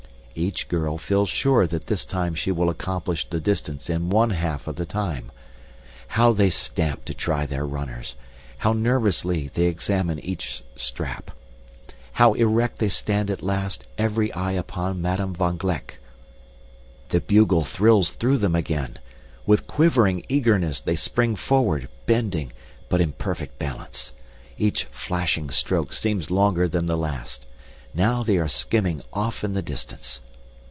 Each girl feels sure that this time she will accomplish the distance in one half of the time. How they stamp to try their runners! How nervously they examine each strap! How erect they stand at last, every eye upon Madame van Gleck! The bugle thrills through them again. With quivering eagerness they spring forward, bending, but in perfect balance. Each flashing stroke seems longer than the last. Now they are skimming off in the distance.